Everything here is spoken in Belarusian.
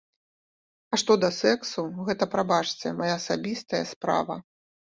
А што да сэксу, гэта, прабачце, мая асабістая справа.